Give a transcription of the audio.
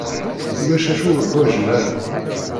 Ulac acu ur ḥwaǧen ara.